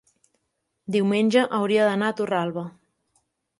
Diumenge hauria d'anar a Torralba.